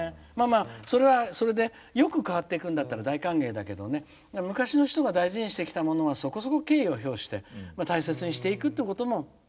それはそれでよく変わっていくんだったら大歓迎だけどね昔の人が大切にしてきたことはそこそこ敬意を表して大切にしていくということも。